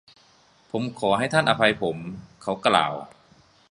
“ผมขอให้ท่านอภัยผม” เขากล่าว